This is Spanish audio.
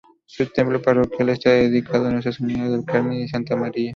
Su templo parroquial está dedicado a Nuestra Señora del Carmen y Santa María.